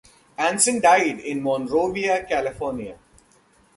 Anson died in Monrovia, California.